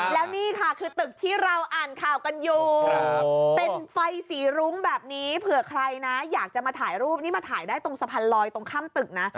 แล้วนี่ค่ะคือตึกที่เราอ่านข่าวกันอยู่เป็นไฟสีรุ้งแบบนี้เผื่อใครนะอยากจะมาถ่ายรูปนี่มาถ่ายได้ตรงสะพานลอยตรงข้ามตึกนะ